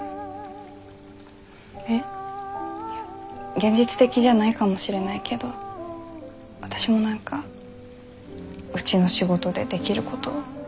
現実的じゃないかもしれないけど私も何かうちの仕事でできること考えてみたい。